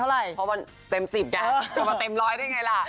เต็มเท่าไหร่เพราะว่าเต็มสิบได้ถึงมาเต็มร้อยได้ไงล่ะ